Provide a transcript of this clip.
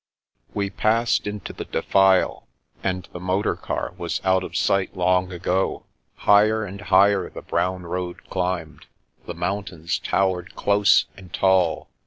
We passed into the defile, and the motor car was 338 The Princess Passes out of sight long ago. Higher and higher the brown road cUmbed. The mountains towered close and tall.